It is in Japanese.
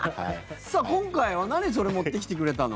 さあ、今回は何それ、持ってきてくれたの？